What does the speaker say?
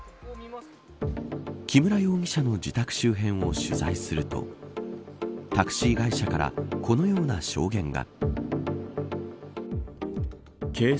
木村容疑者の自宅周辺を取材するとタクシー会社からこのような証言が。